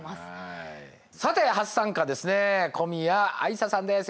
さて初参加ですね小宮有紗さんです。